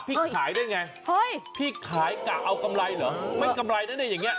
พี่ขายได้ไงพี่ขายกะเอากำไรเหรอไม่กำไรนะเนี่ย